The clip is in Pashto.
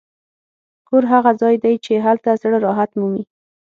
کور هغه ځای دی چې هلته زړه راحت مومي.